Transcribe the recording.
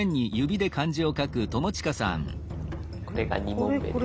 これが２問目です。